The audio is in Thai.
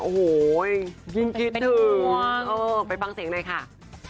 โอ้โหยยิ่งคิดถึงเป็นห่วงเออไปฟังเสียงหน่อยค่ะ